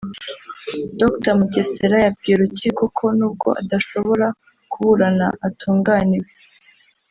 Dr Mugesera yabwiye urukiko ko nubwo adashobra kuburana atunganiwe